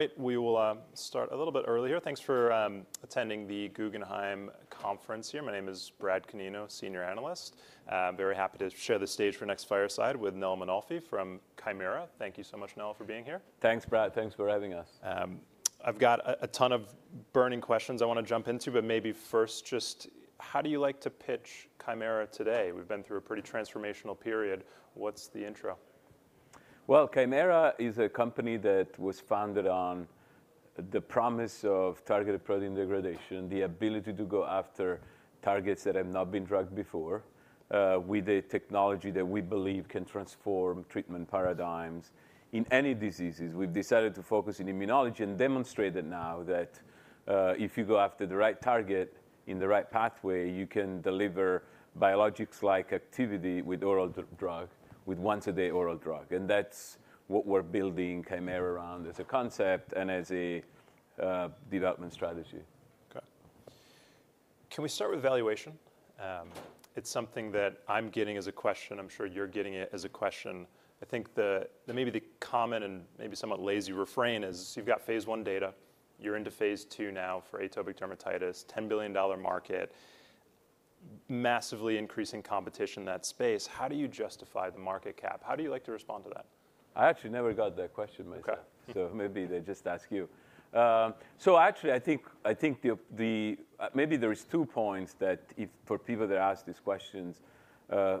Great! We will start a little bit earlier. Thanks for attending the Guggenheim Conference here. My name is Brad Canino, Senior Analyst. Very happy to share the stage for next fireside with Nello Mainolfi from Kymera Therapeutics. Thank you so much, Nello, for being here. Thanks, Brad. Thanks for having us. I've got a ton of burning questions I wanna jump into, but maybe first, just how do you like to pitch Kymera today? We've been through a pretty transformational period. What's the intro? Well, Kymera is a company that was founded on the promise of targeted protein degradation, the ability to go after targets that have not been drugged before, with a technology that we believe can transform treatment paradigms in any diseases. We've decided to focus in immunology and demonstrate it now that, if you go after the right target in the right pathway, you can deliver biologics-like activity with oral drug, with once-a-day oral drug. And that's what we're building Kymera around as a concept and as a development strategy. Okay. Can we start with valuation? It's something that I'm getting as a question. I'm sure you're getting it as a question. I think the, maybe the common and maybe somewhat lazy refrain is, you've got phase I data, you're into phase II now for atopic dermatitis, $10 billion market, massively increasing competition in that space. How do you justify the market cap? How do you like to respond to that? I actually never got that question myself. Okay. So maybe they just ask you. So actually, I think, I think the, the maybe there is two points that if for people that ask these questions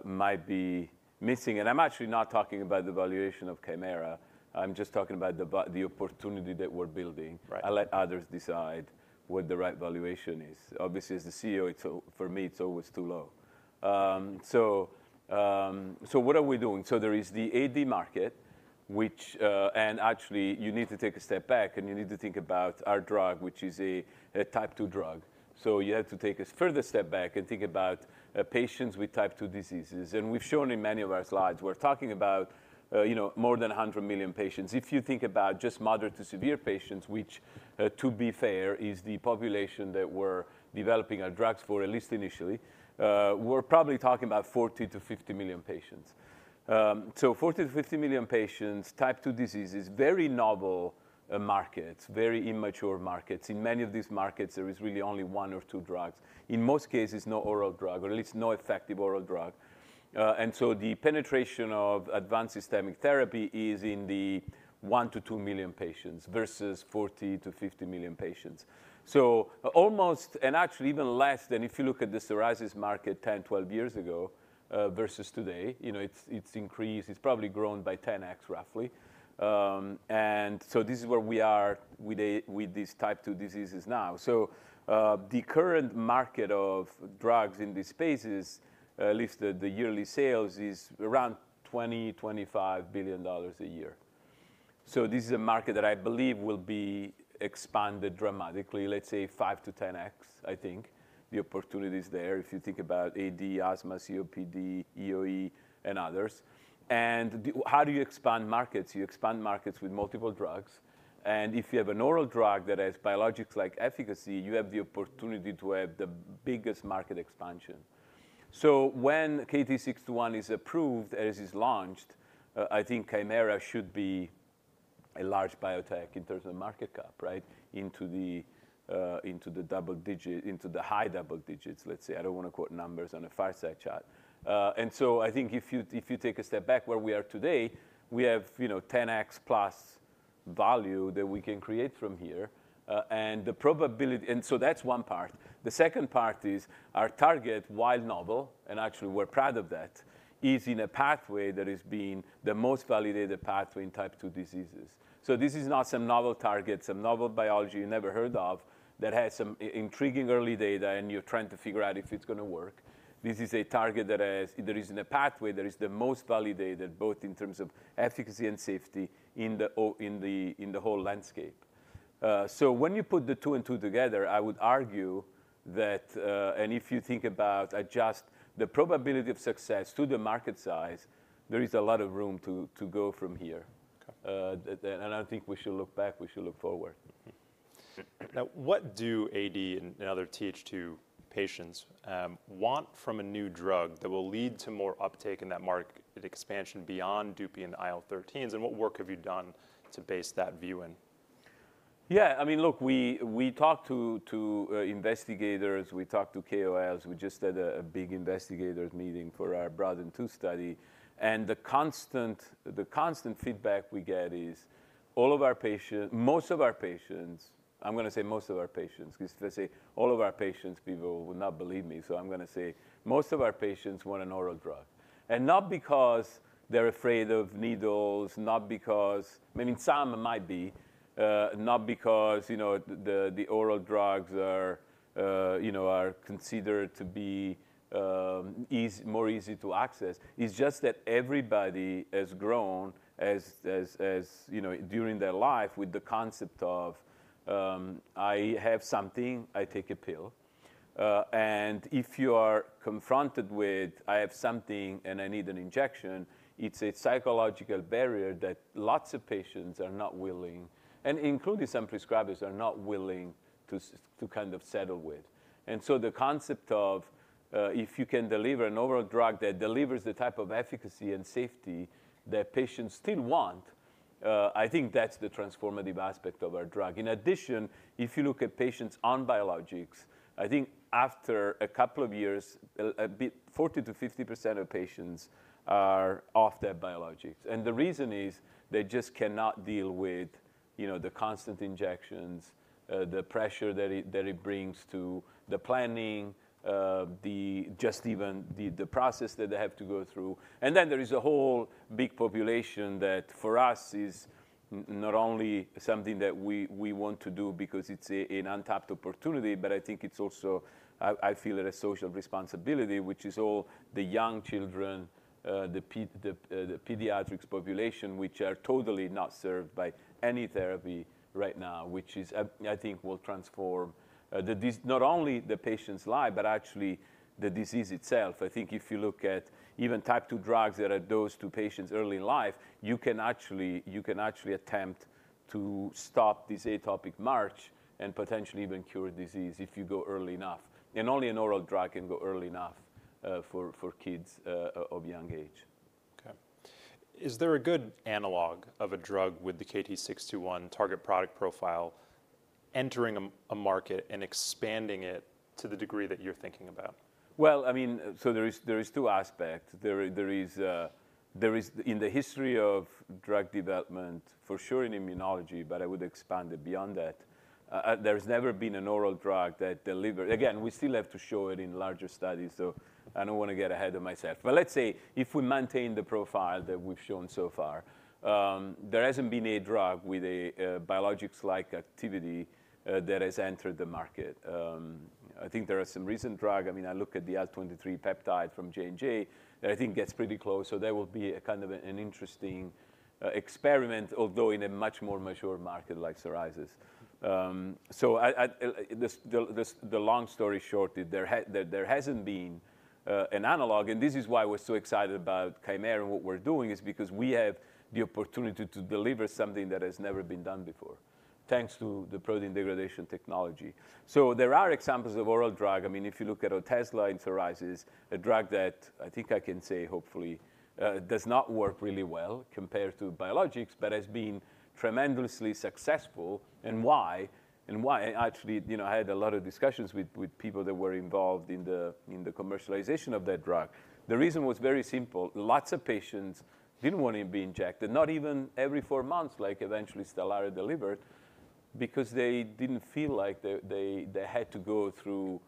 might be missing, and I'm actually not talking about the valuation of Kymera. I'm just talking about the opportunity that we're building. Right. I let others decide what the right valuation is. Obviously, as the CEO, it's always too low for me. So what are we doing? There is the AD market, which... And actually, you need to take a step back, and you need to think about our drug, which is a Type 2 drug. So you have to take a further step back and think about patients with Type 2 diseases. And we've shown in many of our slides, we're talking about, you know, more than 100 million patients. If you think about just moderate to severe patients, which, to be fair, is the population that we're developing our drugs for, at least initially, we're probably talking about 40 million-50 million patients. So 40 million-50 million patients, Type 2 diseases, very novel, markets, very immature markets. In many of these markets, there is really only one or two drugs. In most cases, no oral drug, or at least no effective oral drug. And so the penetration of advanced systemic therapy is in the 1 million-2 million patients, versus 40 million-50 million patients. So almost, and actually even less than if you look at the psoriasis market 10, 12 years ago, versus today, you know, it's, it's increased. It's probably grown by 10x, roughly. And so this is where we are with, with these Type 2 diseases now. So, the current market of drugs in these spaces, at least the, the yearly sales, is around $20 billion-$25 billion a year. So this is a market that I believe will be expanded dramatically, let's say 5x-10x. I think the opportunity is there. If you think about AD, asthma, COPD, EoE, and others. And how do you expand markets? You expand markets with multiple drugs, and if you have an oral drug that has biologics-like efficacy, you have the opportunity to have the biggest market expansion. So when KT-621 is approved, as is launched, I think Kymera should be a large biotech in terms of market cap, right? Into the, into the double digit, into the high double digits, let's say. I don't wanna quote numbers on a fireside chat. And so I think if you, if you take a step back where we are today, we have, you know, 10x plus value that we can create from here, and the probability- and so that's one part. The second part is our target, while novel, and actually we're proud of that, is in a pathway that has been the most validated pathway in Type 2 diseases. So this is not some novel target, some novel biology you never heard of, that has some intriguing early data, and you're trying to figure out if it's gonna work. This is a target that has-- that is in a pathway that is the most validated, both in terms of efficacy and safety, in the whole landscape. So when you put the two and two together, I would argue that... If you think about adjust the probability of success to the market size, there is a lot of room to go from here. Okay. I think we should look back, we should look forward. Mm-hmm. Now, what do AD and other Th2 patients want from a new drug that will lead to more uptake in that market expansion beyond Dupi and IL-13? And what work have you done to base that view in? Yeah. I mean, look, we talked to investigators, we talked to KOLs. We just had a big investigators meeting for our BROADEN2 study, and the constant feedback we get is, all of our patients- most of our patients, I'm gonna say most of our patients, 'cause if I say all of our patients, people will not believe me, so I'm gonna say most of our patients want an oral drug. And not because they're afraid of needles, not because... I mean, some might be, not because, you know, the oral drugs are, you know, are considered to be, easy, more easy to access. It's just that everybody has grown up, you know, during their life with the concept of: I have something, I take a pill. And if you are confronted with, "I have something, and I need an injection," it's a psychological barrier that lots of patients are not willing, and including some prescribers, are not willing to to kind of settle with. And so the concept of, if you can deliver an oral drug that delivers the type of efficacy and safety that patients still want.... I think that's the transformative aspect of our drug. In addition, if you look at patients on biologics, I think after a couple of years, a bit, 40%-50% of patients are off their biologics. And the reason is, they just cannot deal with, you know, the constant injections, the pressure that it, that it brings to the planning, just even the process that they have to go through. And then there is a whole big population that, for us, is not only something that we want to do because it's an untapped opportunity, but I think it's also I feel that a social responsibility, which is all the young children, the pediatric population, which are totally not served by any therapy right now, which is, I think will transform the disease, not only the patient's life, but actually the disease itself. I think if you look at even Type 2 drugs that are dosed to patients early in life, you can actually attempt to stop this atopic march and potentially even cure disease if you go early enough. And only an oral drug can go early enough for kids of young age. Okay. Is there a good analog of a drug with the KT-621 target product profile entering a market and expanding it to the degree that you're thinking about? Well, I mean, so there is two aspects. In the history of drug development, for sure in immunology, but I would expand it beyond that, there's never been an oral drug that delivered—Again, we still have to show it in larger studies, so I don't wanna get ahead of myself. But let's say if we maintain the profile that we've shown so far, there hasn't been a drug with a biologics-like activity that has entered the market. I think there are some recent drug. I mean, I look at the IL-23 peptide from J&J, that I think gets pretty close, so that will be a kind of an interesting experiment, although in a much more mature market like psoriasis. So, the long story short, is there hasn't been an analog, and this is why we're so excited about Kymera, and what we're doing, is because we have the opportunity to deliver something that has never been done before, thanks to the protein degradation technology. So there are examples of oral drug. I mean, if you look at Otezla in psoriasis, a drug that I think I can say hopefully does not work really well compared to biologics, but has been tremendously successful. And why? And why? Actually, you know, I had a lot of discussions with people that were involved in the commercialization of that drug. The reason was very simple: Lots of patients didn't want to be injected, not even every four months, like eventually Stelara delivered, because they didn't feel like they had to go through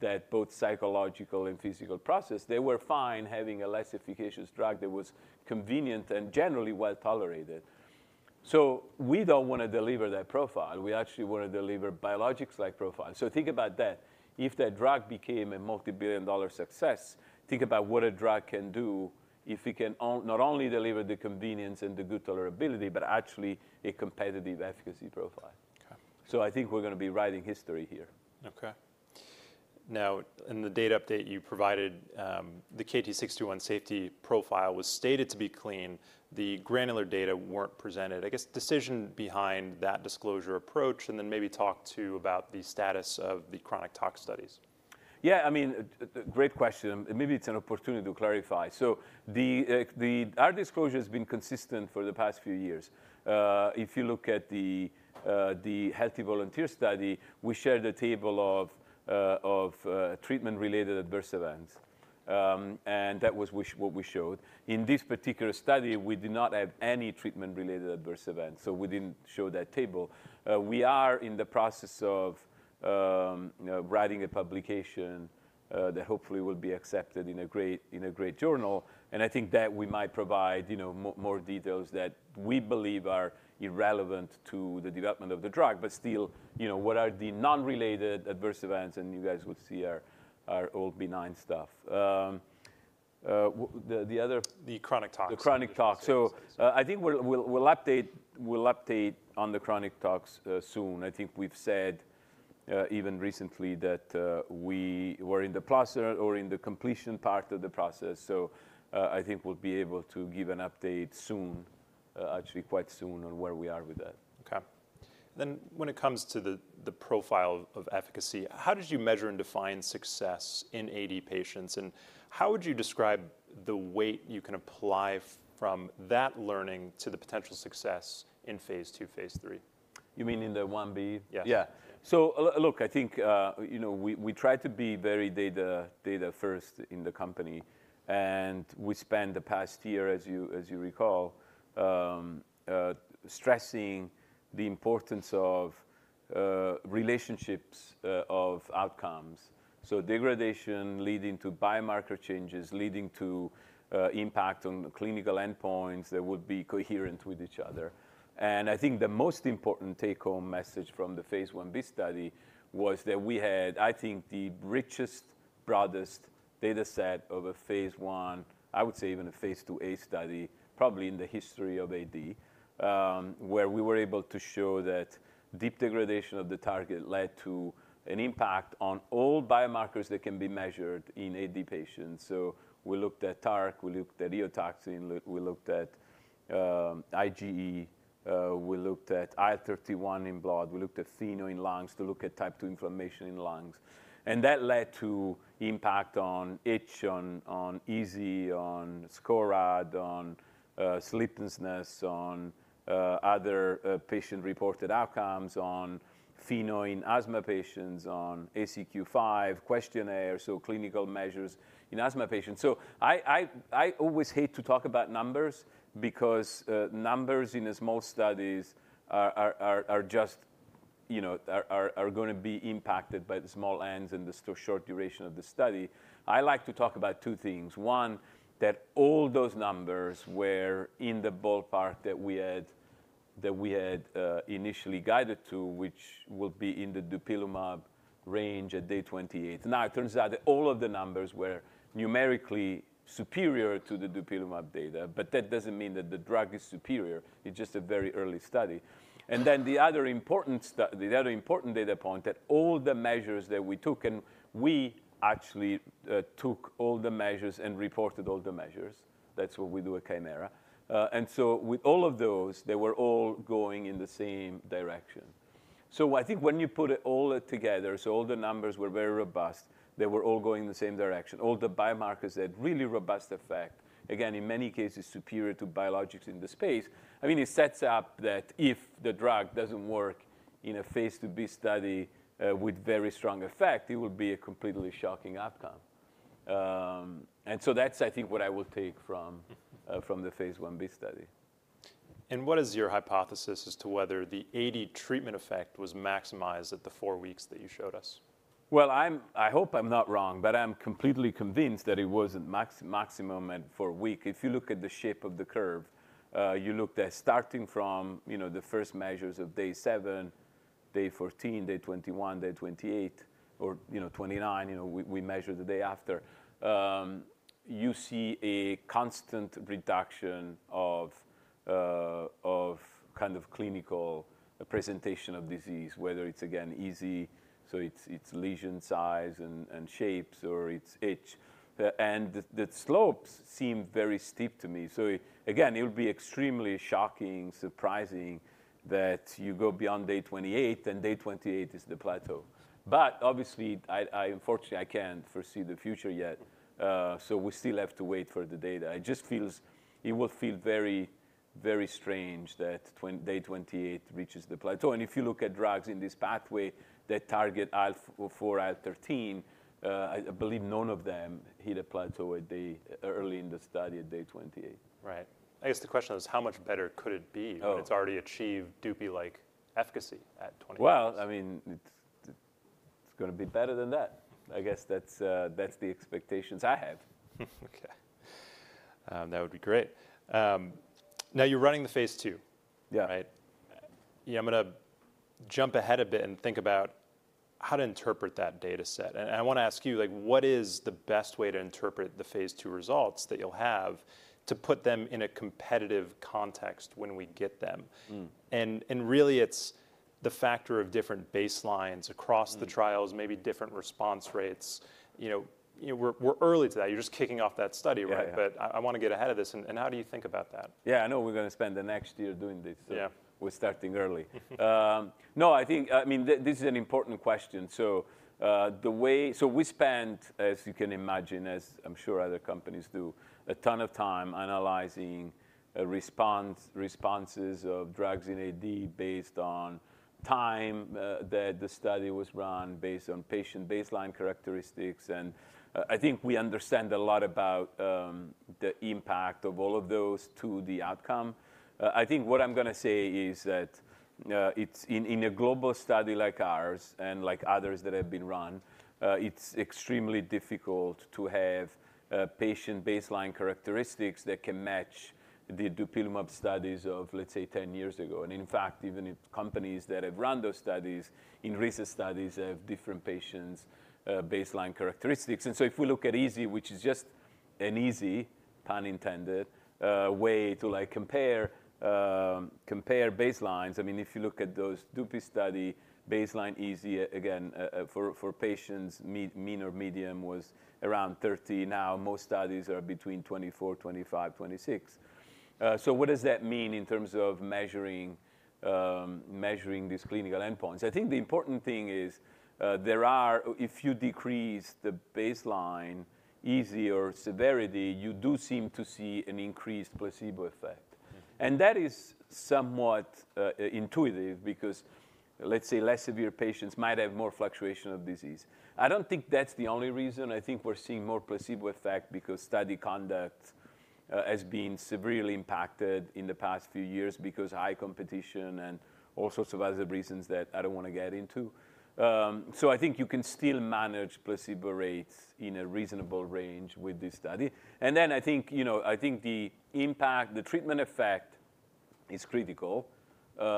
that both psychological and physical process. They were fine having a less efficacious drug that was convenient and generally well-tolerated. So we don't wanna deliver that profile. We actually wanna deliver biologics-like profile. So think about that. If that drug became a multi-billion dollar success, think about what a drug can do if it can not only deliver the convenience and the good tolerability, but actually a competitive efficacy profile. Okay. So I think we're gonna be writing history here. Okay. Now, in the data update you provided, the KT-621 safety profile was stated to be clean. The granular data weren't presented. I guess, decision behind that disclosure approach, and then maybe talk, too, about the status of the chronic tox studies. Yeah. I mean, great question, and maybe it's an opportunity to clarify. So our disclosure has been consistent for the past few years. If you look at the healthy volunteer study, we share the table of treatment-related adverse events. And that was what we showed. In this particular study, we did not have any treatment-related adverse events, so we didn't show that table. We are in the process of, you know, writing a publication, that hopefully will be accepted in a great, in a great journal, and I think that we might provide, you know, more details that we believe are irrelevant to the development of the drug, but still, you know, what are the non-related adverse events, and you guys would see are all benign stuff. Um, uh, w- the, the other- The chronic tox. The chronic tox. Yes. I think we'll update on the chronic tox soon. I think we've said even recently that we were in the process or in the completion part of the process, so I think we'll be able to give an update soon, actually quite soon, on where we are with that. Okay. Then when it comes to the profile of efficacy, how did you measure and define success in AD patients, and how would you describe the weight you can apply from that learning to the potential success in phase II, phase III? You mean in the Ib? Yes. Yeah. So look, I think, you know, we try to be very data-first in the company, and we spent the past year, as you recall, stressing the importance of relationships of outcomes. So degradation leading to biomarker changes, leading to impact on clinical endpoints that would be coherent with each other. And I think the most important take-home message from the phase Ib study was that we had, I think, the richest, broadest dataset of a phase 1, I would say even a phase IIa study, probably in the history of AD, where we were able to show that deep degradation of the target led to an impact on all biomarkers that can be measured in AD patients. So we looked at TARC, we looked at eotaxin, we looked at IgE, we looked at IL-31 in blood, we looked at FeNO in lungs to look at type 2 inflammation in the lungs. And that led to impact on itch, on EASI, on SCORAD, on sleeplessness, on other patient-reported outcomes, on FeNO in asthma patients, on ACQ-5 questionnaire, so clinical measures in asthma patients. So I always hate to talk about numbers because numbers in as most studies are just you know are gonna be impacted by the small ends and the so short duration of the study. I like to talk about two things. One, that all those numbers were in the ballpark that we had, that we had initially guided to, which will be in the dupilumab range at day 28. Now, it turns out that all of the numbers were numerically superior to the dupilumab data, but that doesn't mean that the drug is superior. It's just a very early study. And then the other important data point, that all the measures that we took, and we actually took all the measures and reported all the measures. That's what we do at Kymera. And so with all of those, they were all going in the same direction. So I think when you put it all together, so all the numbers were very robust, they were all going in the same direction, all the biomarkers had really robust effect, again, in many cases, superior to biologics in the space. I mean, it sets up that if the drug doesn't work in a phase IIb study, with very strong effect, it would be a completely shocking outcome. And so that's, I think, what I would take from, from the phase Ib study. What is your hypothesis as to whether the AD treatment effect was maximized at the four weeks that you showed us? Well, I hope I'm not wrong, but I'm completely convinced that it wasn't maximum at four weeks. If you look at the shape of the curve, you look at starting from, you know, the first measures of day seven, day 14, day 21, day 28, or, you know, 29, you know, we, we measure the day after, you see a constant reduction of, of kind of clinical presentation of disease, whether it's again, EASI, so it's, it's lesion size and shapes, or it's itch. And the, the slopes seem very steep to me. So again, it would be extremely shocking, surprising, that you go beyond day 28, and day 28 is the plateau. But obviously, I, I unfortunately, I can't foresee the future yet, so we still have to wait for the data. It will feel very, very strange that day 28 reaches the plateau. And if you look at drugs in this pathway that target IL-4, IL-13, I believe none of them hit a plateau at the early in the study at day 28. Right. I guess the question is, how much better could it be? Oh. If it's already achieved Dupi-like efficacy at 28? Well, I mean, it's gonna be better than that. I guess that's the expectations I have. Okay. That would be great. Now you're running the phase II. Yeah. Right? Yeah, I'm gonna jump ahead a bit and think about how to interpret that data set. I wanna ask you, like, what is the best way to interpret the phase II results that you'll have, to put them in a competitive context when we get them? Mm. And really, it's the factor of different baselines across- Mm, The trials, maybe different response rates. You know, we're early to that. You're just kicking off that study, right? Yeah, yeah. But I wanna get ahead of this. And how do you think about that? Yeah, I know we're gonna spend the next year doing this, so- Yeah. We're starting early. No, I think, I mean, this is an important question. So we spent, as you can imagine, as I'm sure other companies do, a ton of time analyzing a response, responses of drugs in AD based on time that the study was run, based on patient baseline characteristics, and I think we understand a lot about the impact of all of those to the outcome. I think what I'm gonna say is that it's in a global study like ours and like others that have been run, it's extremely difficult to have patient baseline characteristics that can match the dupilumab studies of, let's say, 10 years ago. And in fact, even if companies that have run those studies, in recent studies have different patients' baseline characteristics. So if we look at EASI, which is just an easy, pun intended, way to like compare baselines, I mean, if you look at the Dupi study, baseline EASI, again, for patients, mean or median was around 30. Now, most studies are between 24, 25, 26. So what does that mean in terms of measuring these clinical endpoints? I think the important thing is, there are... If you decrease the baseline EASI severity, you do seem to see an increased placebo effect. Mm. And that is somewhat intuitive, because, let's say, less severe patients might have more fluctuation of disease. I don't think that's the only reason. I think we're seeing more placebo effect because study conduct has been severely impacted in the past few years because high competition and all sorts of other reasons that I don't wanna get into. So I think you can still manage placebo rates in a reasonable range with this study. And then, I think, you know, I think the impact, the treatment effect is critical,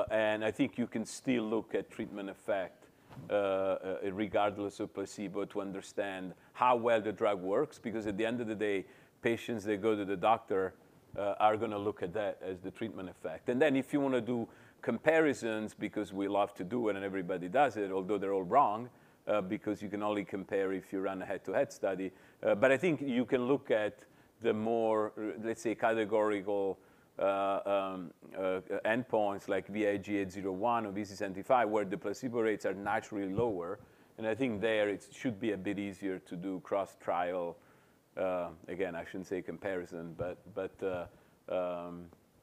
and I think you can still look at treatment effect, regardless of placebo, to understand how well the drug works, because at the end of the day, patients that go to the doctor are gonna look at that as the treatment effect. And then, if you wanna do comparisons, because we love to do it and everybody does it, although they're all wrong, because you can only compare if you run a head-to-head study. But I think you can look at the more, let's say, categorical endpoints, like vIGA 0/1 or EASI-75, where the placebo rates are naturally lower. And I think there, it should be a bit easier to do cross-trial. Again, I shouldn't say comparison, but, but,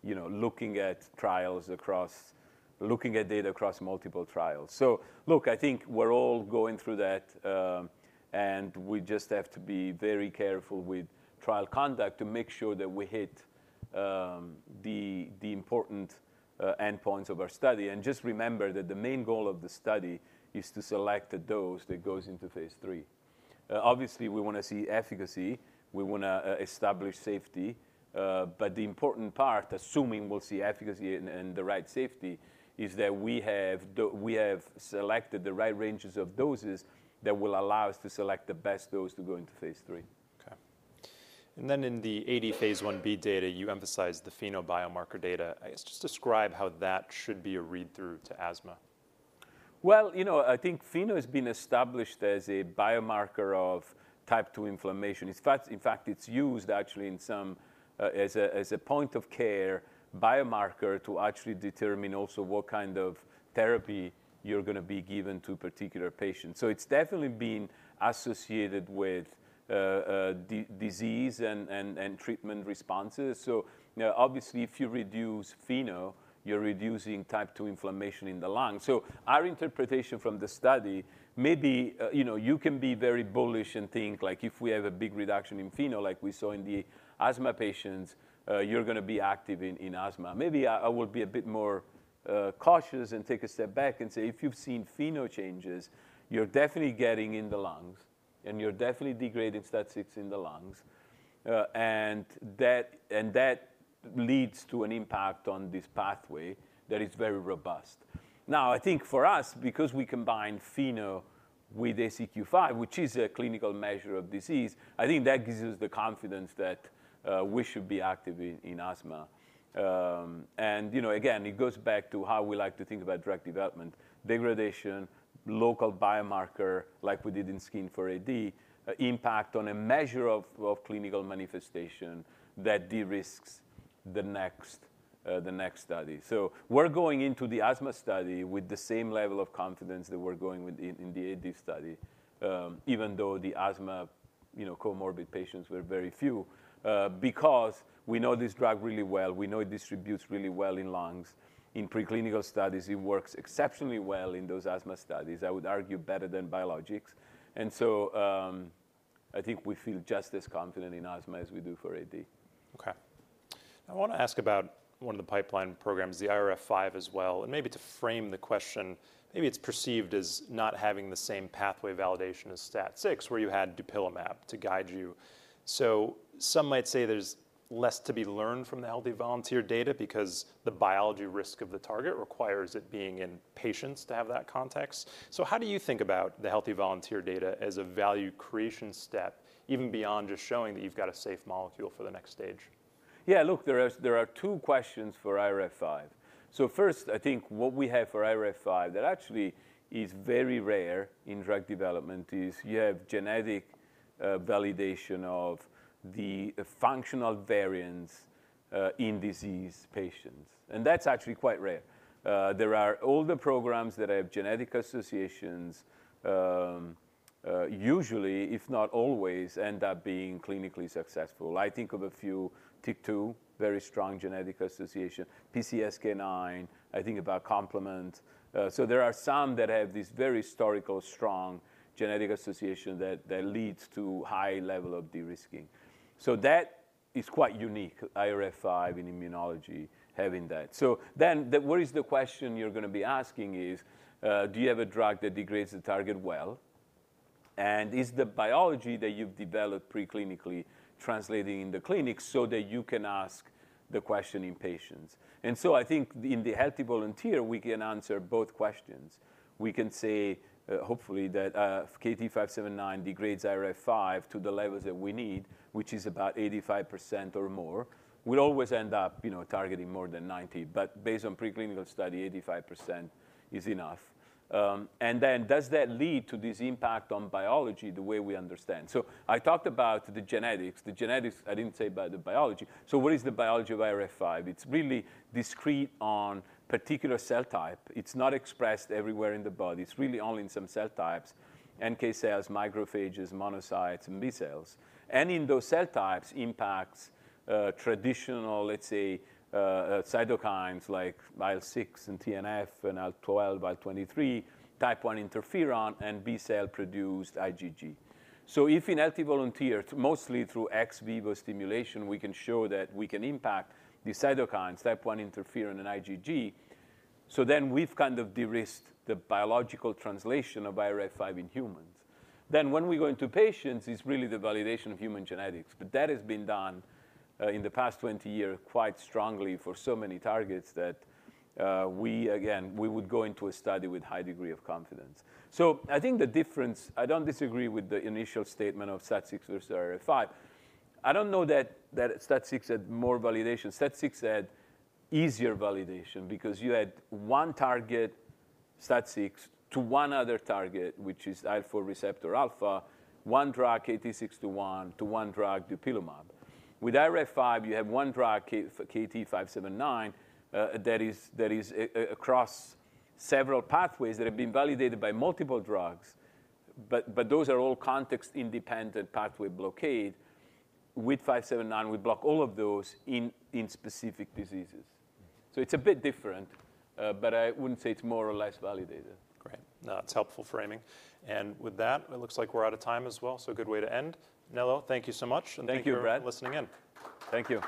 you know, looking at data across multiple trials. So look, I think we're all going through that, and we just have to be very careful with trial conduct to make sure that we hit the important endpoints of our study. Just remember that the main goal of the study is to select a dose that goes into phase III. Obviously, we wanna see efficacy, we wanna establish safety, but the important part, assuming we'll see efficacy and the right safety, is that we have selected the right ranges of doses that will allow us to select the best dose to go into phase III. Okay. And then in the AD phase Ib data, you emphasized the FeNO biomarker data. I guess, just describe how that should be a read-through to asthma. Well, you know, I think FeNO has been established as a biomarker of type two inflammation. In fact, it's used actually in some as a point of care biomarker to actually determine also what kind of therapy you're gonna be given to a particular patient. So it's definitely been associated with disease and treatment responses. So, you know, obviously, if you reduce FeNO, you're reducing type two inflammation in the lung. So our interpretation from the study, maybe you know, you can be very bullish and think, like, if we have a big reduction in FeNO like we saw in the asthma patients, you're gonna be active in asthma. Maybe I would be a bit more cautious and take a step back and say, "If you've seen FeNO changes, you're definitely getting in the lungs, and you're definitely degrading STAT6 in the lungs, and that leads to an impact on this pathway that is very robust." Now, I think for us, because we combine FeNO with ACQ-5, which is a clinical measure of disease, I think that gives us the confidence that we should be active in asthma. And, you know, again, it goes back to how we like to think about drug development: degradation, local biomarker, like we did in skin for AD, impact on a measure of clinical manifestation that de-risks the next study. So we're going into the asthma study with the same level of confidence that we're going with in the AD study, even though the asthma, you know, comorbid patients were very few, because we know this drug really well, we know it distributes really well in lungs. In preclinical studies, it works exceptionally well in those asthma studies, I would argue, better than biologics. And so, I think we feel just as confident in asthma as we do for AD. Okay. I wanna ask about one of the pipeline programs, the IRF5 as well, and maybe to frame the question, maybe it's perceived as not having the same pathway validation as STAT6, where you had dupilumab to guide you. So some might say there's less to be learned from the healthy volunteer data because the biology risk of the target requires it being in patients to have that context. So how do you think about the healthy volunteer data as a value creation step, even beyond just showing that you've got a safe molecule for the next stage? Yeah. Look, there are two questions for IRF5. So first, I think what we have for IRF5, that actually is very rare in drug development, is you have genetic validation of the functional variants in disease patients, and that's actually quite rare. There are older programs that have genetic associations usually, if not always, end up being clinically successful. I think of a few, TYK2, very strong genetic association, PCSK9, I think about complement. So there are some that have this very historical, strong genetic association that leads to high level of de-risking. So that is quite unique, IRF5 in immunology, having that. So then the what is the question you're gonna be asking is, do you have a drug that degrades the target well? And is the biology that you've developed preclinically translating in the clinic so that you can ask the question in patients? And so I think in the healthy volunteer, we can answer both questions. We can say, hopefully, that, KT-579 degrades IRF5 to the levels that we need, which is about 85% or more, will always end up, you know, targeting more than 90, but based on preclinical study, 85% is enough. And then does that lead to this impact on biology the way we understand? So I talked about the genetics. The genetics, I didn't say about the biology. So what is the biology of IRF5? It's really discrete on particular cell type. It's not expressed everywhere in the body. It's really only in some cell types: NK cells, macrophages, monocytes, and B cells. In those cell types, impacts traditional, let's say, cytokines like IL-6 and TNF and IL-12, IL-23, type 1 interferon, and B cell-produced IgG. So if in healthy volunteer, mostly through ex vivo stimulation, we can show that we can impact the cytokines, type 1 interferon and IgG, so then we've kind of de-risked the biological translation of IRF5 in humans. Then when we go into patients, it's really the validation of human genetics, but that has been done in the past 20 years, quite strongly for so many targets that we again would go into a study with a high degree of confidence. So I think the difference, I don't disagree with the initial statement of STAT6 versus IRF5. I don't know that STAT6 had more validation. STAT6 had easier validation because you had one target, STAT6, to one other target, which is IL-4 receptor alpha, one drug, KT-621, to one drug, dupilumab. With IRF5, you have one drug, KT-579, that is across several pathways that have been validated by multiple drugs, but those are all context-independent pathway blockade. With 579, we block all of those in specific diseases. So it's a bit different, but I wouldn't say it's more or less validated. Great. No, it's helpful framing. With that, it looks like we're out of time as well, so a good way to end. Nello, thank you so much. Thank you, Brad. Thank you for listening in. Thank you.